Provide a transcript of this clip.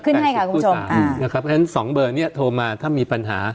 เพราะฉะนั้น๒เบอร์นี้โทรมาถ้ามีปัญหา